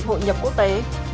hội nhập quốc tế